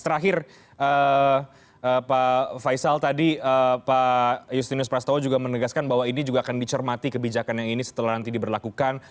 terakhir pak faisal tadi pak justinus prastowo juga menegaskan bahwa ini juga akan dicermati kebijakan yang ini setelah nanti diberlakukan